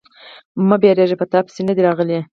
_مه وېرېږه، په تاپسې نه دي راغلی.